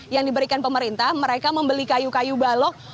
yang diberikan pemerintah mereka membeli kayu kayu balok